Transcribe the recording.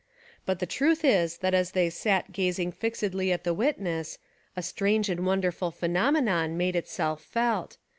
But the truth is that as they sat gazing fixedly at the witness, a strange and wonderful phenomenon made it self felt.